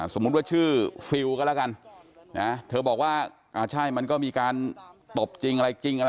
สมมุติว่าชื่อฟิลก็แล้วกันนะเธอบอกว่าอ่าใช่มันก็มีการตบจริงอะไรจริงอะไร